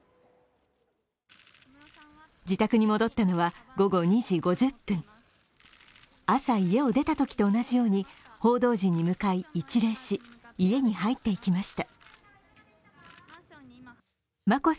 自宅に戻ったのは午後２時５０分朝、家を出たときと同じように、報道陣に向かい一礼し、家に入っていきました。